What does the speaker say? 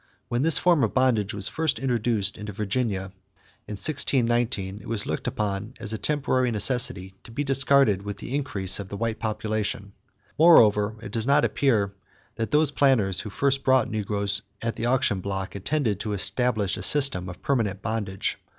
When this form of bondage was first introduced into Virginia in 1619, it was looked upon as a temporary necessity to be discarded with the increase of the white population. Moreover it does not appear that those planters who first bought negroes at the auction block intended to establish a system of permanent bondage.